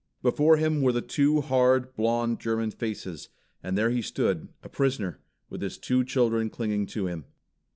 Before him were the two hard, blonde German faces, and there he stood, a prisoner, with his two children clinging to him.